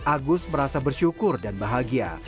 agus merasa bersyukur dan bahagia